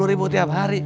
rp lima puluh tiap hari